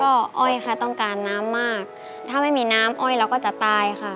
ก็อ้อยค่ะต้องการน้ำมากถ้าไม่มีน้ำอ้อยเราก็จะตายค่ะ